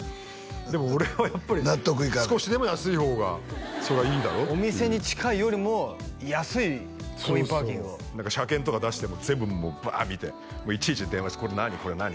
でも俺はやっぱり少しでも安い方がいいだろってお店に近いよりも安いコインパーキングを車検とか出しても全部もうバーッ見ていちいち電話して「これ何？これ何？